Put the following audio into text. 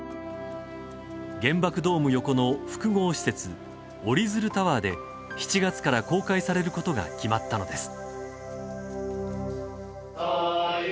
原爆ドーム横の複合施設おりづるタワーで７月から公開されることが決まったのです。